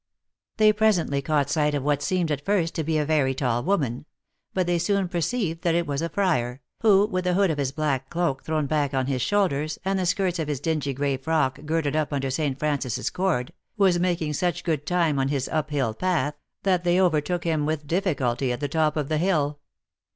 They presently caught sight of what seemed at first to be a very tall woman ; but they soon perceived that it was a friar, who, with the hood of his black cloak THE ACTRESS IN HIGH LIFE. 135 thrown back on his shoulders, and the skirts of his diugy grey frock girded up under St. Francis cord, was making such good time on his up hill path, that they overtook him with difficulty at the top of the hill.